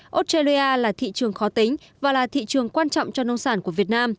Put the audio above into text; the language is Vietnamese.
australia là thị trường khó tính và là thị trường quan trọng cho nông sản của việt nam